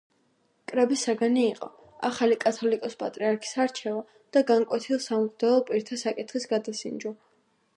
კრების საგანი იყო ახალი კათალიკოს-პატრიარქის არჩევა და განკვეთილ სამღვდელო პირთა საკითხის გადასინჯვა.